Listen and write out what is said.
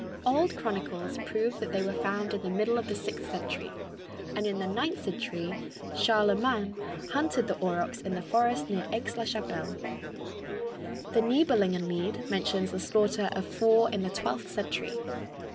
Old chronicles prove that they were found in the middle of the sixth century, and in the ninth century Charlemagne hunted the aurochs in the forests near Aix la Chapelle. The Nibelungen Lied mentions the slaughter of four in the twelfth century.